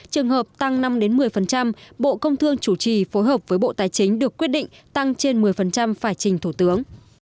trường hợp tăng năm một mươi bộ công thương chủ trì phối hợp với bộ tài chính được quyết định tăng trên một mươi phải trình thủ tướng